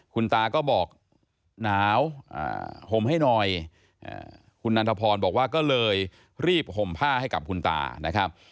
คุณตาก็บอกหนาวห่มให้หน่อยคุณนันทพรบอกว่าก็เลยรีบห่มผ้าให้กับคุณตานะครับ